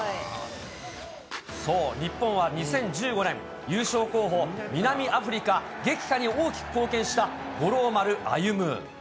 そう、日本は２０１５年、優勝候補、南アフリカ撃破に大きく貢献した五郎丸歩。